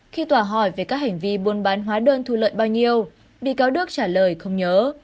khi tòa hỏi về các hành vi buôn bán hóa đơn thu lợi bao nhiêu bị cáo đức trả lời không nhớ